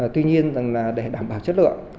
tuy nhiên là để đảm bảo chất lượng